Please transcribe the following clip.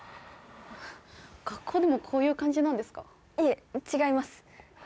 学校でもこういう感じなんですかいえ違います